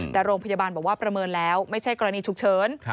แต่โรงพยาบาลบอกว่าประเมินแล้วไม่ใช่กรณีฉุกเฉิน